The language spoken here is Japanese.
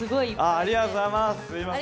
ありがとうございます！